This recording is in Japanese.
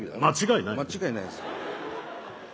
間違いないです。